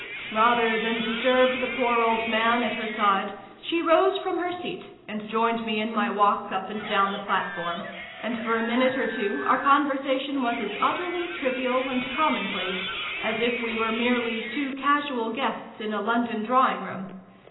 Rather than disturb the poor old man at her side, she rose from her seat, and joined me in my walk up and down the platform, and for a minute or two our conversation was as utterly trivial and commonplace as if we were merely two casual guests in a London drawing room.